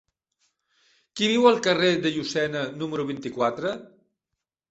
Qui viu al carrer de Llucena número vint-i-quatre?